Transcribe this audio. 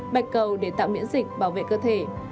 bạch cầu để tạo miễn dịch bảo vệ cơ thể